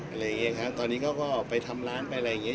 อะไรอย่างนี้ครับตอนนี้เขาก็ไปทำร้านไปอะไรอย่างนี้